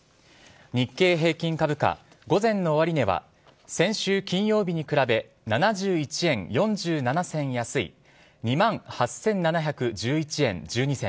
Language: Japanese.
日経平均株価、午前の終値は、先週金曜日に比べ、７１円４７銭安い２万８７１１円１２銭。